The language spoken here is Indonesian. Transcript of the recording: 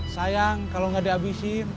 sayang kalau gak dihabisin